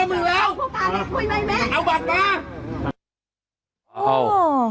เอาบัตรมา